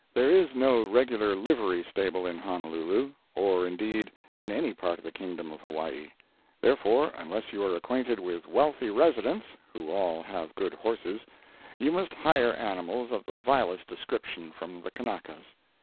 There is no regular livery stable in Honolulu, or, indeed, in any part of the kingdom of Hawaii; therefore, unless you are acquainted with wealthy residents (who all have good horses), you must hire animals of the vilest description from the Kanakas.